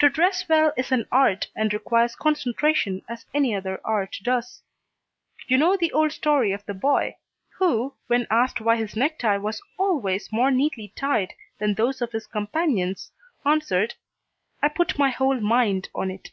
To dress well is an art, and requires concentration as any other art does. You know the old story of the boy, who when asked why his necktie was always more neatly tied than those of his companions, answered: "I put my whole mind on it."